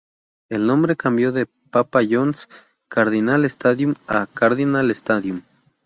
El nombre cambió de "Papa John's Cardinal Stadium" a "Cardinal Stadium".